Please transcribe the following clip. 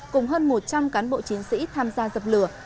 cùng hơn một trăm linh cán bộ chiến sĩ tham gia dập lửa